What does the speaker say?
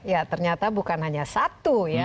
ya ternyata bukan hanya satu ya